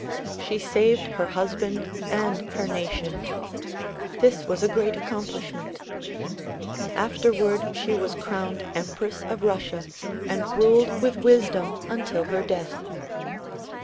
She saved her husband and her nation. This was a great accomplishment. After ward she was crowned empress of Russia and ruled with wisdom until her death.